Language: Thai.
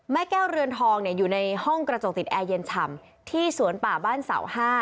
แก้วเรือนทองอยู่ในห้องกระจกติดแอร์เย็นฉ่ำที่สวนป่าบ้านเสา๕